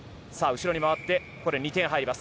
後ろに回って、２点入ります。